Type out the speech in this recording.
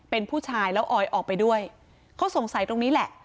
เป็นผู้ชายแล้วออยออกไปด้วยเขาสงสัยตรงนี้แหละ